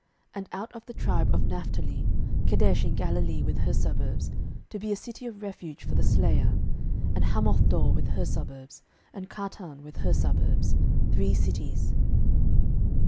06:021:032 And out of the tribe of Naphtali, Kedesh in Galilee with her suburbs, to be a city of refuge for the slayer; and Hammothdor with her suburbs, and Kartan with her suburbs; three cities.